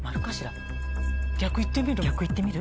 逆行ってみる？